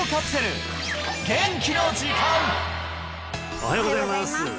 おはようございます